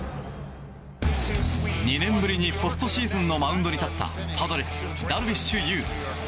２年ぶりにポストシーズンのマウンドに立ったパドレス、ダルビッシュ有。